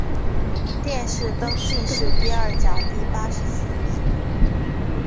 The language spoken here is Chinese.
殿试登进士第二甲第八十四名。